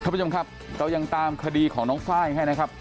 ผู้ชมครับเรายังตามคดีของน้องไฟล์ให้นะครับ